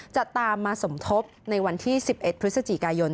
จะตามมาสมทบในวันที่๑๑พฤศจิกายน